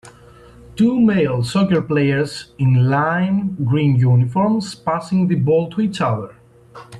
Two male soccer players in lime green uniforms passing the ball to each other.